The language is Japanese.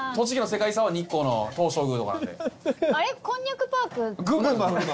こんにゃくパーク。